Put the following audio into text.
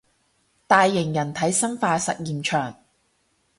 大型人體生化實驗場